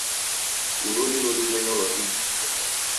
Ulo nilo lumenyo lwa ighu kuchumba.